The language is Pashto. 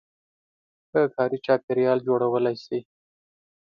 -ښه کاري چاپېریال جوړولای شئ